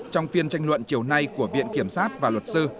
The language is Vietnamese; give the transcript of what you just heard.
trong phiên tranh luận chiều nay của viện kiểm sát và luật sư